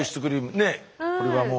ねえこれはもう。